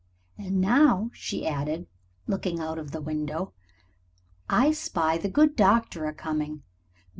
And now," she added, looking out of the window, "I spy the good doctor a coming.